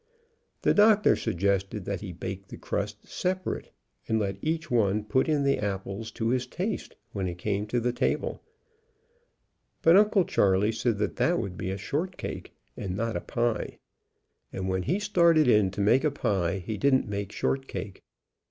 The Doctor suggested that he bake the crust separate, and let each one put in the apples to his taste when it came on the table, but Uncle Char ley said that would be a shortcake and not a pie, and when he started in to make pie he didn't make short cake.